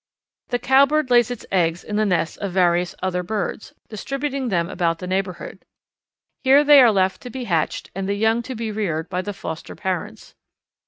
The Cowbird lays its eggs in the nests of various other birds, distributing them about the neighbourhood. Here they are left to be hatched and the young to be reared by the foster parents.